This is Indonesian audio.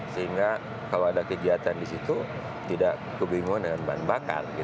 sehingga kalau ada kegiatan di situ tidak kebingungan dengan bahan bakar